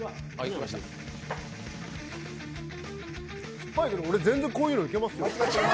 酸っぱいけど、俺、全然こういうのイケますよ。